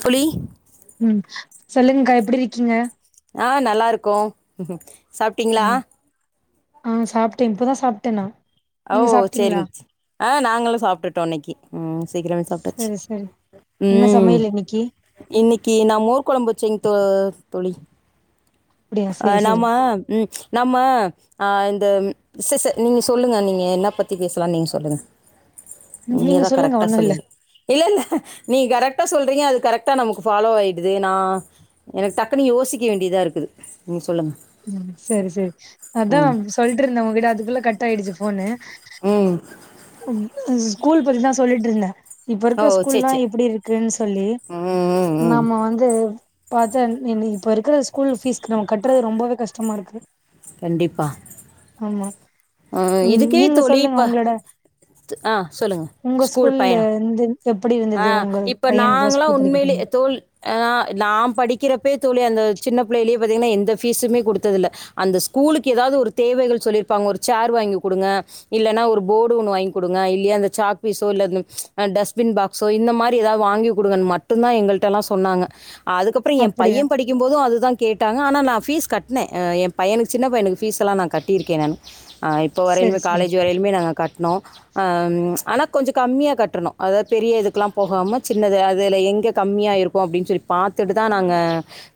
புளி ம் சொல்லுங்கக்கா எப்டி இருக்கீங்க ஆஹ் நல்லா இருக்கோம் சாப்ட்டீங்களா ஆஹ் சாப்ட்டேன் இப்பதான் சாப்ட்டேன் நா ஓ நீங்க சாப்ட்டீங்களா சரிங்க ஆஹ் நாங்களும் சாப்ட்டுட்டோம் இன்னக்கு உஹம் சீக்கிரமே சாப்ட்டாச்சி சரி சரி என்ன உம் சமையல் இன்னைக்கி இன்னக்கி நா மோர் கொழம்புச்சேங்க தே தோழி அப்டியா சரி ஆஹ் நாம சரி உம் நாம ஆ இந்த ச ச நீங்க சொல்லுங்க நீ என்ன பத்தி பேசலாம் நீங்க சொல்லுங்க ம் நீங்க தான் சொல்லுங்க கரெக்டா ஒண்ணு இல்ல சொல்லுவிங்க இல்ல இல்ல நீங்கள் கரெக்டாக சொல்கிறீங்க அது கரெக்டாக நமக்கு ஃபாலோ ஆகிடுது நான் எனக்கு டக்குன்னு யோசிக்க வேண்டியதா இருக்குது சொல்லுங்க ம் சரி சரி ம் அதான் சொல்லிட்ருந்தே உங்ககிட்ட அதுக்குள்ள கட் ஆயிடுச்சு போன்னு உம் ஸ்கூல் பத்திதான் சொல்லிட்டு இருந்தேன் இப்ப ஓ இருக்கிற சேர் ஸ்கூல்லாம் சேர் எப்டி இருக்குன்னு சொல்லி ம் ம் நமா வந்து பாத்தே இப்ப இருக்கிற ஸ்கூல் ஃபீஸ்க்கு நம்ம கட்டுறது ரொம்பவே கஷ்டமா இருக்கு கண்டிப்பா ஆமா ஆஹ் ம் இதுக்கே நீங்க தோழி சொல்லுங்க இப்ப உங்களோட ஆ சொல்லுங்க உங்க ஸ்கூல் ஸ்கூல்ல பயணம் இருந்து எப்டி இருந்தது ஆஹ் உங்க இப்ப பையனுக்குலா நாங்களா ஸ்கூல் படிக்க உண்மயிலே தோழி ஆஹ் நாம் படிக்கிற ப்ப தோழி அந்த சின்ன பிள்ளயிலயே பாத்தீங்கன்னா எந்த பீஸுமே குடுத்ததல்ல அந்த ஸ்கூலுக்கு எதாவது ஒரு தேவகள் சொல்லிருப்பாங்க ஒரு சேர் வாங்கி கொடுங்க இல்லைன்னா ஒரு போர்டு ஒண்ணு வாங்கி கொடுங்க இல்லய அந்த சாக்பீஸோ இல்ல டஸ்ட்பின் பாக் சோ இந்த மாதிரி ஏதாவது வாங்கி கு குடுங்கன்னு மட்டும்தான் எங்களிட்டலாம் சொன்னாங்க அதுக்கப்புறம் என் அப்படியா பையன் படிக்கும் போதும் அதுதான் கேட்டாங்க ஆனா நான் ஃபீஸ் கட்னேன் என் பையனுக்கு சின்ன பையனுக்கு ஃபீஸ்லாம் நான் கட்டியிருக்கேன் நான் இப்போ சரி வரையிலுமே சரி காலேஜ் வரையிலுமே நாங்கள் கட்டினோம் ஆனா கொஞ்சம் கம்மியாக கட்டணும் அதாவது பெரிய இதுக்கெல்லாம் போகாம சின்னது அதுல எங்க கம்மியா இருக்கும் அப்படின்னு சொல்லி பாத்துட்டுதான் நாங்க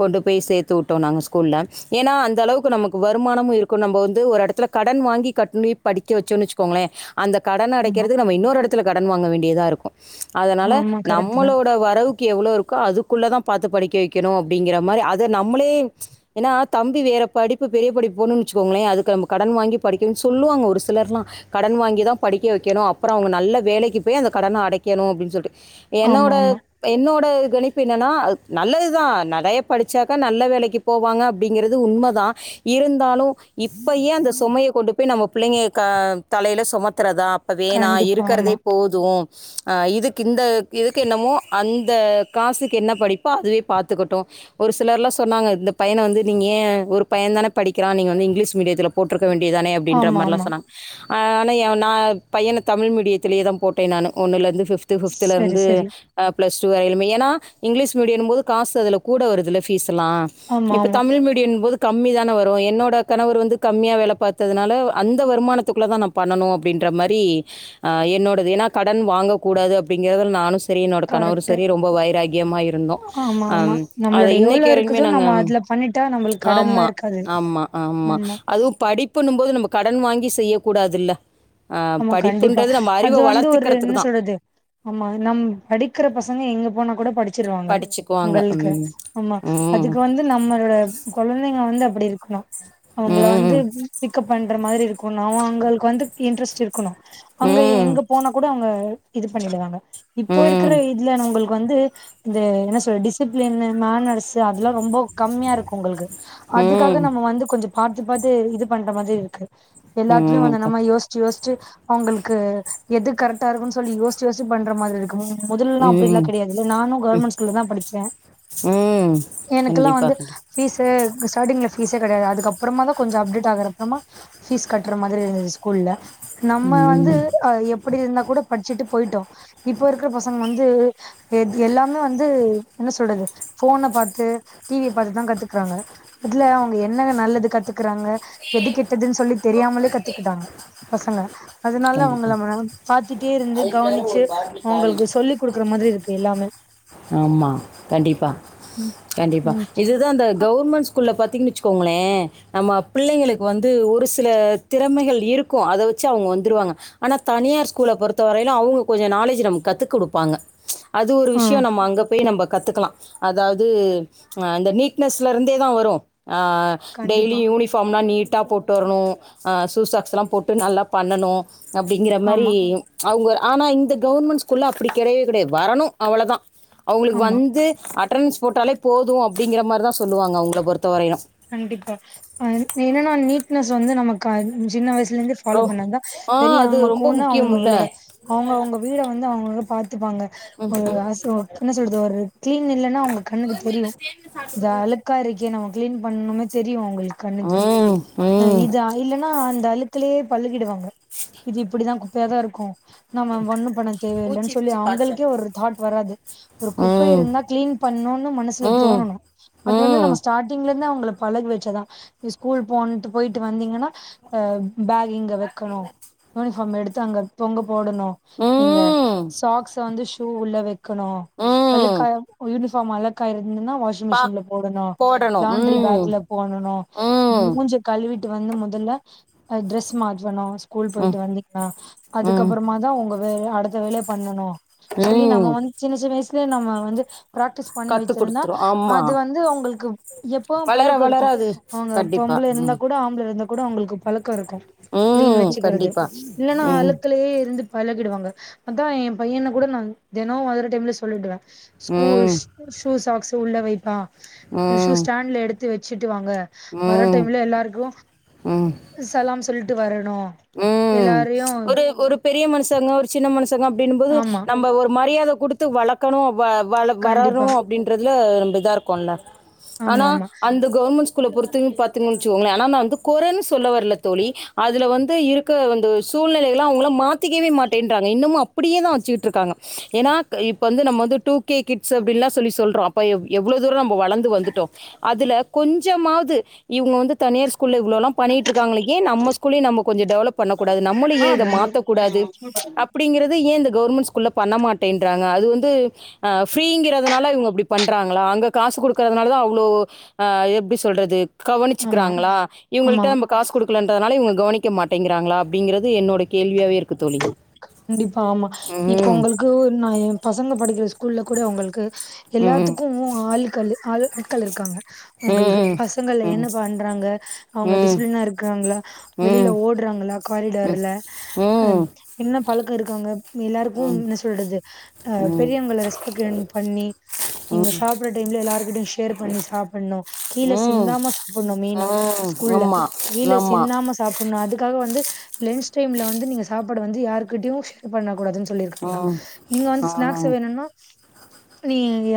கொண்டு போய் சேத்து விட்டோம் நாங்க ஸ்கூல்ல ஏன்னா அந்த அளவுக்கு நமக்கு வருமானமும் இருக்கும் நம்ம வந்து ஒரு இடத்துல கடன் வாங்கி கட்டினோ படிக்க வச்சோம்ன்னு வச்சுக்கோங்களே அந்த கடன் ஆமா அடைறது நம்ம இன்னொரு இடத்து கடன் வாங்க வேண்டியதாக இருக்கும் அதனால ஆமா கரெக்ட் தான் நம்மளோட வரவுக்கு எவ்ளோ இருக்கோ அதுக்குள்ளதான் பாத்து படிக்க வைக்கணும் அப்படிங்கிற மாதிரி அத நம்மளே தம்பி வேற படிப்பு பெரிய படிப்பு போனும்னுவச்சிகோங்களே கடன் வாங்கி படிக்க சொல்லுவாங்க ஒரு சிலர்லாம் கடன் வாங்கி தான் படிக்க வைக்கணும் அப்புறம் அவங்க நல்ல வேலைக்கு போய் அந்த கடன அடை கனு அப்படின் சொல்லி ஆமா என்னோட ஆமா என்னோட கணிப்பு என்னா நல்லதுதா நிறைய படிச்சாக்க நல்ல வேலைக்கு போவாங்க அப்படி உண்மைதான் இருந்தாலும் இப்ப ஏன் அந்த சோமைய கொண்டு போய் நம்ம பிள்ளை ஆஹ் தலையிலசுமத்துறதா ப்ப வேணா கண்டிப்பா ஆமா இருக்கிறதே போதும் [unintelligible] இதுக்கு இந்த இதுக்கு என்னமோ அந்த காசுக்கு என்ன படிப்போ அதுவே பாத்துக்கட்டும் ஒரு சிலர்லாம் சொன்னாங்க இந்த பையன வந்து நீங்கள் ஏன் ஒரு பையன தானே படிக்கிறான் நீங்கள் வந்து இங்கிலீஷ் மீடியத்தில் போட்ருக்க க்க வேண்டியதானே அப்படின்ற ஆமா மாரிலாம் ஆமா சொன்னாங்க ஆனா நான் பையன தமிழ் மீடியத்திலயே தான் போட்டேன் நான் ஒன்னு லேந்து பிப்து சரி பிப்தலருந்து சரி ஆஹ் பிளஸ்டூ வரையிலும் ஏன்னா இங்கிலீஷ்மீடியம் போது காசு அதுல கூட வருதுலா பீஸ் லாம் ஆமா இப்ப ஆமா தமிழ் மீடியம் போது கம்மி தானே வரும் என்னோட கணவர் வந்து கம்மியா வேல பாத்ததுனால அந்த வருமானத்துக்குள்ள தான் நான் பண்ணனும் அப்படின்ற மாரி ஆஹ் என்னோடது ஏன்னா கடன் வாங்க கூடாது அப்படிங்கறதல நானும் நானும் சரி என்னுடைய கணவரும் கரெக்ட் சரி ரொம்ப வைராகியமா இருந்தோம் ஆமா ஆமா அத நம்மளோட எவ்ளோ இன்னைக்கு வரைக்குமே இருக்குதோ நாங்க நம்ம அதுல பண்ணிட்டா நம்மளுக்கு ஆமா கடன்லாம் இருக்காது ஆமா ஆமா அதும் படிப்பு படிபுணு போது நம்ம கடன் வாங்கி செய்ய கூடாதுல்ல அஹ் ஆமா கண்டிப்பா படிப்புன்றது நம்ம அது அறிவை வந்து ஒரு வளத்துக்கிறதுக்கு என்ன தான் சொல்றது ஆமா நம் படிக்கிற பசங்க எங்க போனா கூட படி ச்சருவாங்க படிச்சுக்குவாங்க. உங்களுக்கு ம். ஆமா ம். அதுக்கு வந்து நம்மோட கொழந்தைங்க வந்து அப்படி இருக்கணும் அவங்கள வந்து ம். பிக்கப் பண்ற மாரி இருக்கு க்கனும் அவ அவங்களுக்கு வந்து இன்ட்ரெஸ்ட் க்கனும் அங்க ம். எங்க போனா கூட அவுங்க இது பண்ணிடுவாங்க இப்போ இருக்கிற ம். இதுல நுங்களுக்கு வந்து இந்த என்ன சொல்ற டிசிப்ளின் மேனஸ் அதெல்லாம் ரொம்ப கம்மியா இருக்கும் உங்களுக்கு அதுக்காக ம். நம்ம வந்து கொஞ்சம் பாத்து பாத்து இது பண்ற மாதிரி இருக்கு எல்லாத்லும் ம். வந்து க நம்ம யோச்சு யோச்சு சு அவங்களுக்கு எது கரெக்டா இருக்கும்ன்னு சொல்லி யோசி யோசி பண்ற மாதிரி இருக்கும் முதல்லல்லாம் அப்படில்லாம் ம். கிடையாதுல்ல நானும் கவர்மெண்ட் ஸ்கூல்ல தான் படிச்சேன் ம். எனக்குல்லாம் கண்டிப்பா, வந்து கண்டிப்பா. பிஷ் ஸ்டாரிங்ல பீஸே கிடையாது அதுக்கப்புறமா தான் கொஞ்சம் அப்டேட் ஆகுற அப்புறமா பிஷ் கட்டுற மாதிரி இருந்தது ஸ்கூல்லா நம்ம வந்து ம். ஹ எப்படி இருந்தா கூட படிச்சுட்டு போயிட்டோம் இப்போ இருக்கிற பசங்க வந்து எ எல்லாமே வந்து என்ன சொல்றது போன பாத்து டிவிய பாத்துதான் கத்துக்குறாங்க அதுல அவங்க என்னங்க நல்லது கத்துக்குறாங்க எது கெட்டதுன்னு சொல்லி தெரியாமலே கத்துக்கிட்டாங்க பசங்க அதனால கண்டிப்பா. அவங்கள மா பாத்திட்டே இருந்து கவனிச்சு அவங்களுக்கு சொல்லி் கொடுக்குற மாதிரி இருக்கு எல்லாமே ஆமா கண்டிப்பா ம் கண்டிப்பா ம் இதுதான் அந்த கவர்மெண்ட் ஸ்கூல்ல ப த்திங் வெச்சுக்கோங்கள நம்ம பிள்ளைளுக்கு வந்து ஒரு சில திறமைகள் இருக்கும் அதவச்சு அவங்கா வந்துருவாங்க அன தனியர் ஸ்கூல் போருத்தாவரையுள அவங்கொஞ்சம் நால்லோஜ் நமகு கத்து கொடுப்பாங்க ஆ குயும் நம்ப அங்க போய் நம்ம கத்துக்கலாம் அதாவது இந்த நீ்ட்னஸ்ல இருந்தே தான் வரும் கண்டிப்பா டெய்லிம் யூனிஃபாம்லாம் நீட் ட்டா போட்டு வரணும்ஹ சூசாக்ஸ் எல்லாம் போட்டு நல்லா பண்ணனும் அப்படிங்கற ஆமா மாரி அவங்க ஆனா இந்த கவர்மெண்ட் ஸ்கூல்ல அப்படி கிடையவே கிடையது வருரனும் அவ்வளோ தான் அவங்களுக்கு ஆமா வந்து அ அட்ரன்ஸ் போட்டாலே போதும் அப்படிங்கிற மாரி தான் சொல்லாங்க அவங்கல பொருத்த வரையும் கண்டிப்பாஹ என்னன்னா நீட்னஸ் வந்து நமக்கு ஐஞ் சின்ன வயசு ல இருந்து பாலோ ஓ பண்ணா தான் ஆ பெரிய அது அவங்க ரொம்ப கொன்னா முக்கியம் இல்ல அவங்ளோட அவங்க அவங்க வீட வந்து அவங்க அவங்க பார்த்துப்பாங்க என்ன கோஜோ அசோ என்ன சொல்றது ஒரு கிளீன் இல்லன்னா அவங்க கண்ணுக்கு தெரியும் இது அழுக்காயிருக்கே நமக்கு கிளின் பண்ணுமே தெரியும் அவங்களுக்கு கண்ணுது ம் உஹ் ம் இது இல்லன்னா அந்த அலுக் இதுலயே பள்ளுகிடுவாங்க இது இப்படிதான் கு பியா தான் இருக்கும் நம்ம ஒண்ணும் பண தேவையில்லைன்னு சொல்லி அவங்களுக்கே ஒரு தாட் வராது ஒரு குப்பை ம் இருந்தா கிளீன் பண்ணும்னு மனசுல ம் தோணணும் அது வந்து ம் நம்ம ஸ்டாரிங்லோ இன்நா உங்களை பழகி வச்சதான் ஸ்கூல் போன்ட்டு போயிட்டு வந்தீங்கன்னாஹ பேக் இங்க வைக்கணும் யூனிஃபாம் எடுத்து தாங்க பொங்க போடணும் நீங்க ம் சாக்ஸ் வந்து சூ உள்ள வக் கணும் ம் வெள்ளக்கம் யூனி அ மலக்காயிர ன்னா வாஷிங் பா மிஷின்ல போடணும் போடணும் ஐமின்ரி ம் போக்ல போடனும் ம் முஞ்ச கழுவிட் வீட்டு வந்து முதல்ல ட்ரெஸ் மத்தாணும் ஸ்கூல் ம் போயிட்டு வந்தீங்கனா அதுக்க ம் அப்புறமா தான் உங்க வேல அடுத்த வேல பண்ணனும் சொல்லி ம் நாம்ம வந்து சின்ன சின்ன விசயம் இத்தே நம்ம வந்து பிராக்டிஸ் பண்ணி கற்றுக் வச்சிருந்தா கொடுத்துரும் அது ஆமாம் வந்து அவங்களுக்கு எப்போ வளர பழக்கம் வளர இருக்கும் அது அவுங்க கண்டிப்பா பொம்பல இருந்தா ம் கூட ஆம்பளை இருந்தா கூட உங்களுக்கு பழக்கம் இருக்கும் கிளீன் ம் வச்சுக்கிறது கண்டிப்பா இல்லைன்னா ம் அழுக்குலயே இருந்து வெளகிடுவாங்க அதான் என் பையனை கூட நான் தினம் ஒரே டைம்ல சொல்லிடுவேன் ஸ்கூல் ம் சூ சாக்ஸ் உள்ள வைப்பா ம் ஷூஸாண்ட்ல எடுத்து வச்சிடு டுவாங்க வர ம் டைம்ல எல்லாருக்கும் சலாம் சொல்லிட்டு வர உம் ஒரு ஒரு பெரிய மனுசங்க ஒரு சின்ன மனசு ங்க அப்படின்போது ஆமா நம்ம ஒரு மரியாதை கொடுத்து வளர்க்கணும் வ வ கண்டிப்பா வரரும் அப்டின்றது இது நாம்ம இதா இருக்கோம்லா ஆமா ஆனா ஆமா அந்த கவர்மெண்ட் அ பொறுத்து பாத்தோம்னு வச்சுக்கோங்களேன் ஆனா வந்து குறை சொல்ல வரல தோழி அதுல வந்து இருக்க அந்த சூழ்நிலைலாம் அவுங்கல்லாம் மாத்திக்கவே மாட்டேன்றாங்க இன்னமும் அப்டியே தான் வச்சுட்டுருக்காங்க ஏனா இப்ப வந்து நம்ம வந்து டூகே கிட்ஸ் அப்டிலாம் சொல்லி சொல்றோம் எவ்ளவுதூரம் நம்ம வளர்ந்து வந்துட்டோம் அதுல கொஞ்சமாவது இவுங்க வந்து தனியார் ஸ்கூல் ல இவ்வளோல்லாம் பண்ணிட்டுருக்காங்களே ஏன் நம்ம ஸ்கூல்லையும் நம்ம டெவலப் பண்ணக்கூடாது நம்மளும் ஆ ஏன் இத வந்து மாத்தகூடாது அப்படிங்கிறது ஏன் இந்த கவர்மெண்ட் ஸ்கூல்ல பண்ண மாட்டேன்றாங்க அது வந்து ஃப்ரீங்கிறதுனால இவங்க இப்டி பண்றாங்களா அங்க காசு கொடுக்கறதுனால தான் அவ்வளோ அஹ் எப்டி சொல்றது ஆமா கவனிச்க்றாங்களா இவங்கள்ட்ட ஆமா நம்ம காசு கொடுக்கலன்றதுனால இவங்க கவனிக் மாட்டேங்கிறாங்களா அப்படிங்கிறது என்னோட கேள்வியாவே இரு கண்டிப்பா ஆமா இப்ப ம் உங்களுக்கு நான் என் பசங்க படிக்கிற ஸ்கூல்ல கூட உங்களுக்கு ம் எல்லாத்துக்கும் ஆளுக்காள் ஆள் ஆட்கள் இருக்காங்க ம் உங்களுக்கு ம் பசங்கல என்ன பண்றாங்க ம் அவங்க ம் டிசிப்ளனா இருக்கிறாங்களா ம் வெளியில ஓடுறாங்களா காரிடார்ல ம் என்ன பழக்கம் இருக்காங்க எல்லாருக்கும் ம் என்ன சொல்றது அஹ் ம் பெரியவங்கள ரெஸ்பெக்ட் பண்ணி நீங்க ம் சாப்பிடுற டைம்ல எல்லாருகிட்டயும் ஷேர் பண்ணி சாப்புண்ணும் கீழ ம் சிந்தாம சாப்புண்ணும் ம் மெயினா ஸ்கூல்ல ஆமா கீழ ஆமா சிந்தாம்ம சாப்புண்ணும் அது ஆக வந்து லன்ச் டைம்ல வந்து நீங்க சாப்படு வந்து யாருகிட்டயும் ஷேர் பண்ணக்க கூடாதுன்னு சொல்லிருக்காங்க ம் நீங்க வந்து ஆ ஸ்நாக்ஸ் வேணும்னா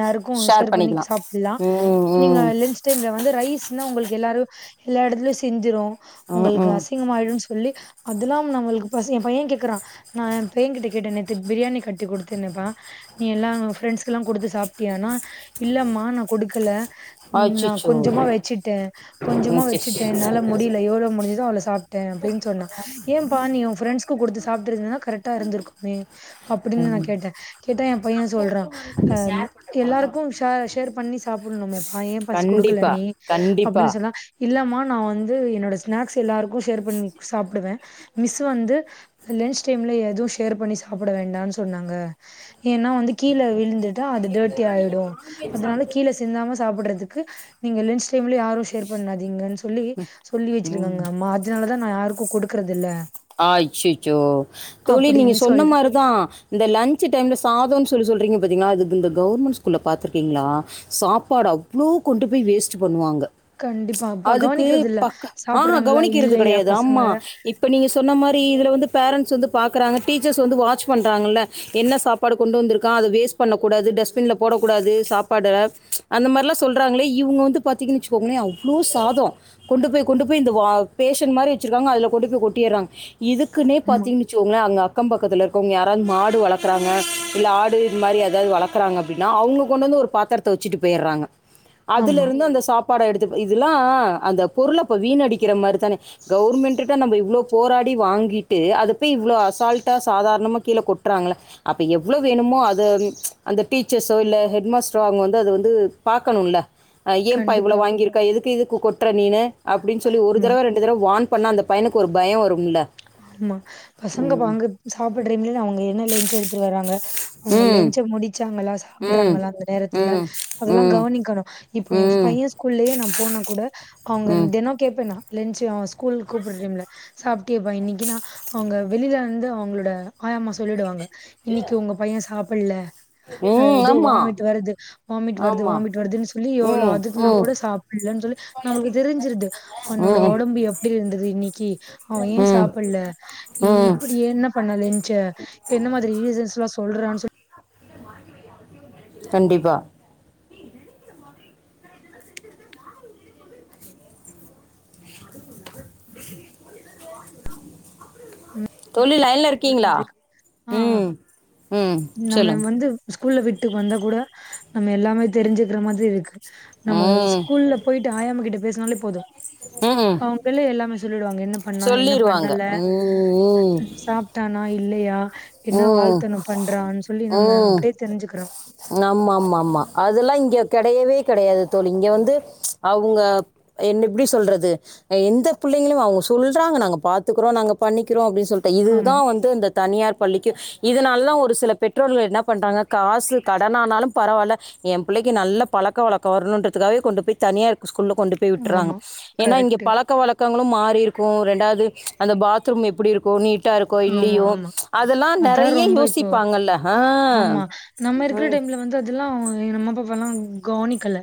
யாருக்கும் ஷேர் பண்ணி சாப்புலாம் ம் நீங்க ம் லெஞ்ச் டைம்ல வந்து ரைஸ் னா உங்களுக்கு எல்லாரும் எல்லா எடத்துலயு சிந்திரும் ம் உங்களுக்கு ம் அசிங்கமாயிடும்ன்னு சொல்லி அதெல்லாம் நம்மளுக்கு பாஸ் என் பையன் கேட்கறான் நான் என் பையன் கிட்ட கேட்ட நேத்து பிரியாணி கட்டி கொடுத்தேனப்பா நீ எல்லாம் ஃப்ரெண்ட்ஸ்கெல்லாம் குடுத்து சாப் டியானா இல்லம்மா ஆஹ் நான் கொடுக்கல நான் அச்சச்சோ கொஞ்சமா வச்சுட்டேன் கொஞ்சமா ம் ச்சே. வச்சுட்டேன் என்னால முடியல எவ்வளோ முடிஞ்சதோ அவ்ளோ சாப்ட்டேன் அப்படின்னு சொன்னா ஏன் பாநீ ஃபிரண்ட்ஸ்க்கு குடுத்து சாப்பிட்டு இருந்தா கரெக்டா இருந்துருக்குமே அப்டின்னு ம் நான் கேட்டேன் கேட்டா என் பையன் சொல்றன் எல்லாருக்கும் ஷேர் பண்ணி சாப்புண்ணுமா ஏன் பா குடுக்கல கண்டிப்பா நீ கண்டிப்பா அப்படின்னு சொன்னா இல்லமா நான் வந்து என்னோட ஸ்நாக்ஸ் எல்லாருக்கும் ஷேர் பண்ணி சாப்டுவேன் மிஸ் வந்து லன்ச் டைம்ல எதுவும் ஷேர் பண்ணி சாப்பிட வேண்டாம்னு சொன்னாங்க ஏன்னா வந்து கீழே விழுந்துட்டா அது டர்ட்டி ஆயிடும் அதனால கீழே சிந்தாம சாப்பிடுறதுக்கு நீங்க லன்ச் டைம்ல யாரும் ஷேர் பண்ணாதீங்கன்னு சொல்லி சொல்லி ம் வச்சிருக்காங்க அம்மா அதனாலதான் நான் யாருக்கும் குடுக்குறது இல்ல அச்சச்சோ தொழி நீங்க அப்டின்னு சொன்னா சொல் பாத்தீன்னா இந்த கவர்மெண்ட் ஸ்கூல்ல பார்த்திருக்கீங்களா சாப்பாடு அவ்வளோ கொண்டு போய் வேஸ்ட் பண்ணுவாங்க கண்டிப்பா அப்ப அதுக்கு கவனிக்கிறது இல்ல பக்க ஆஹா சாப்பிடுறாங்களா கவனிக்கிறது இல்லையா கிடையாது பசங்க ஆமா இப்ப நீங்க சொன்ன மாரி இதில வந்து பேரண்ட்ஸ் வந்து பார்க்குறாங்க டீச்சர்ஸ் வந்து வாட்ச் பண்ணுறாங்களல என்ன சாப்பாடு கொண்டுவந்துருக்காக வேஸ்டு பண்ணகூடாது டேஸ்பிண்லபேட கூடாது அப்படணுவாச்சி பண்றாங்கல [unintelligible] இதுக்குன்னே ஆமா பார்த்தீங்குன்னு வச்சுங்களே அங்கே அக்கம் பக்கம் பக்கத்துல இருக்கவங்க யாராவது மாடு வளர்க்கறாங்க இல்ல ஆடு இது மாரி ஏதாவது வளர்க்கறாங்க அப்படின்னா அவங்க கொண்டு வந்து ஒரு பாத்திரத்தை வச்சுட்டு போயிடுறாங்க அதுல ஆமா இருந்து அந்த சாப்பா பாடம் எடுத்து இதெல்லாம் அந்த பொருளை இப்ப வீணடிக்கிற மாதிரி தானே கவர்மெண்ட் நம்ம இவ்ளோ போராடி வாங்கிட்டு அத போய் இவ்வளோ அசால்ட்டா சாதாரணமா கீழே கொட்டுறாங்கள அப்ப எவ்வளவு வேணுமோ அத அந்த டீச்சர்ஸோ இல்ல ஹெட் மாஸ்ட்ரோ அங்க வந்து அத வந்து பாக்கணும்ல ஏம்ப்பா கண்டிப்பா இவ்வளவு வாங்கியிருக்க எதுக்கு இது கொட்டுற நீனு அப்படின்னு சொல்லி ஒரு ஆமா தடவை ரெண்டு தடவை வான் பண்ண அந்த பையனுக்கு ஒரு பயம் வரும்லா ஆமா பசங்க பாங்கு சாப்புடுறிங் அவங்க என்ன லேன்ஞ்சு எடுத்துட்டு வர்றாங்க அவுங்க ம் லேஞ்ச முடிச்சாங்களா சாப்பு ம் சாப்பிடறாங்களா அந்த நேரத்துல ம் அதெல்லாம் ம் கவனிக்கணும் இப்ப என் ம் ம் பையன் ஸ்கூல்லேயே நான் போனா கூட அவுங்க ம் தினம் கேப் நா லெஞ்ச்சு அவன் ஸ்கு கூல் கூப்பிடடுறிங்ல சாப்பு ப்ப இன்னைக்குன்னா அவங்க வெளியில இருந்து அவங்களோட ஆயம்மா சொல்லிடுவாங்க இன்னைக்கு உங்க பையன் சாப்பு பிள்ள அஹ ம் ஏதோ ஆமா வாமிட் வருது வாமிட் வருது ஆமா வாமிட் வருதுன்னு சொல்லி எவ்வளோ ம் ம் அதட்னாக்கூட சாப்பிடலன்னு சொல்லி நம்மளுக்கு தெரிஞ்சிருது உன்னோட ம் உடம்பு எப்படி இருந்தது இன்னைக்கு அவன் ஏன் ம் சாப்பிடல ம் இப்படி என்ன பண்ணா லேஞ்ச்ச என்ன மாதிரி ரீசன்ஸ் எல்லாம் சொல்றான் சொல்ல கண்டிப்பா [unintelligible] தோழி லையன்ல கேக்குற இருக்கீங்களா மாதிரி ஆ ஆ ம் ம் நம்ம சொல்லுங்க வந்து ஸ்கூல்ல விட்டுக்கு வந்தா கூட நம்ம எல்லாமே தெரிஞ்சுக்கிற மாதிரி இருக்கு நம்ம ம் ஸ்கூல்ல போயிட்டு ஆயமா கிட்ட பேசினாலே போதும் ம் அவங்களே எல்லாமே சொல்லிடுவாங் என்ன பண்ணா என்ன சொல்லிருவாங்க பண்ணல ம் சாப் இல்லயா உம் நம்ம உம் அப்டியே தெரிஞ்சுக்கிறோ ஆமா ஆமா ஆமா அதெலாம் இங்க கெடையவே கெடயாது தோழி இங்க வந்து அவங்க என்ன எப்டி சொல்றது எந்த புள்ளங்களையும் அவங்க சொல்றாங்க நாங்க பாத்துக்கறோம் நாங்க பண்ணிக்கிறோம் அப்டின்னு சொ சொல்டேன் ஆமா இதுதான் வந்து இந்த தனியார் பள்ளிக்கும் இதனால தான் ஒரு சில பெற்றோர்கள் என்ன பண்றாங்க காசு கடனானாலும் பரவாயில்ல என் பிள்ளைக்கு நல்ல பழக்க வழக்கம் வரனும் கொண்டு போய் தனியார் ஸ்கூல்ல கொண்டு போய் விட்டுறாங்க ஆமா ஏன்னா இங்க கரெக்ட்டு பழக்க வழக்கங்களும் மாறி இருக்கும் ரெண்டு து அந்த பாத்ரூம் எப்டி இருக்கும் நீட் ட்டா இருக்கா ஆமா இல்லியோ ஆமா அதெலாம் நெறய அதா ரொம்ப இப்போ யோசிப்பாங்கள்ல ஆமா நம்ம இருக்ற டைம்ல வந்து அதெலா நம்ம பலாம் கவுனிக்கல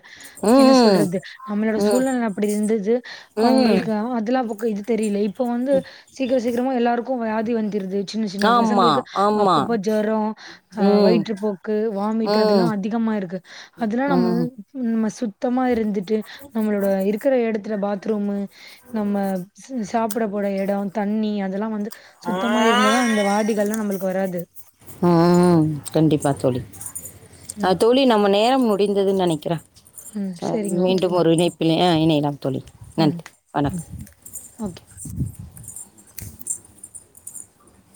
என்ன ம் சொல்றது நம்ளோட ம் சூழ்நெல அப்டி இருந்தது ம் அவங்களுக்கு அதெல்லா இது தெரியலப் இப்போ வந்து சீக்கிர சீக்கிரமா எல்லாருக்கு [unintelligible] வியாதி வந்திருது சின்ன சின்ன ஆமா பசங்களுக்கு ஆமா அப்பப்போ ஜொரோம் ம் வயிற்றுப்போக்கு வாமிட் அதெலா ம் அதிகமா இருக்கு அதெலா நம்ம ம் நம்ம சுத்தமா இருந்துட்டு நம்ளோட இருக்குற எடத்துல பாத்ரூமு நம்ம [unintelligible] சாப்பிட போட எடோ தண்ணி அதெலா வந்து சுத்தமா இருந்தா தா அந்த வாதிகல்லா நம்மளுக்கு வராது ம் கண்டிப்பா தோழி அ ம், தோலி நம்ம நேரம் அப்டிந்தது நெனக்கிறேன் ம். சரிங்க. மீண்டும் ஓகேவா. ஒரு இணைப்பில ஆ இணையலாம் தோலி ம், நன்றி ம். வணக்கம் ஓகே.